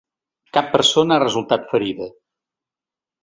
Cap persona ha resultat ferida.